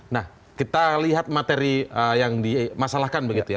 nah kita lihat materi yang dimasalahkan begitu ya